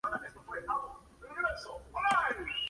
Este episodio fue dedicado a la memoria de Jan Hooks.